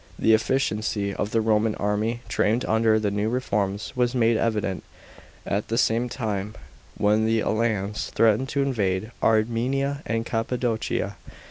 The efficiency of the Roman army, trained under the new reforms, was made evident at the same time, when the Alans threatened to invade Armenia and Cappadocia.